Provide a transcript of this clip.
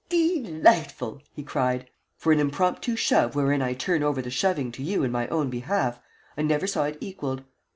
"De lightful!" he cried. "For an impromptu shove wherein I turn over the shoving to you in my own behalf, I never saw it equalled.